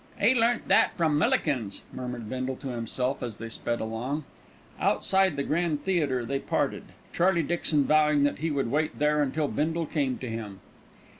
"'E learnt that from Millikins," murmured Bindle to himself as they sped along. Outside the Grand Theatre they parted, Charlie Dixon vowing that he would wait there until Bindle came to him.